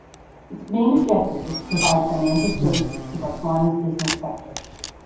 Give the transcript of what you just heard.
Its main objective is to provide financial services to Botswana’s business sector.